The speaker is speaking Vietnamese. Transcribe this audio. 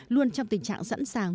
luôn trong tình trạng sẵn sàng